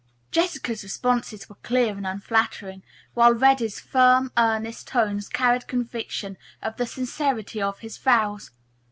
Jessica's responses were clear and unfaltering, while Reddy's firm earnest tones carried conviction of the sincerity of his vows.